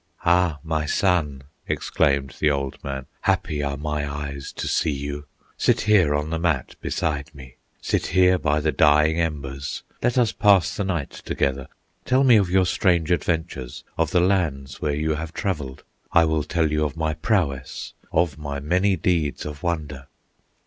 "Ah, my son!" exclaimed the old man, "Happy are my eyes to see you. Sit here on the mat beside me, Sit here by the dying embers, Let us pass the night together, Tell me of your strange adventures, Of the lands where you have travelled; I will tell you of my prowess, Of my many deeds of wonder."